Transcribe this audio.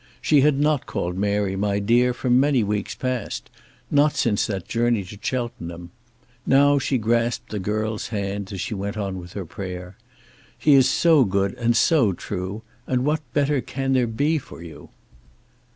She had not called Mary "my dear" for many weeks past, not since that journey to Cheltenham. Now she grasped the girl's hand as she went on with her prayer. "He is so good and so true! And what better can there be for you?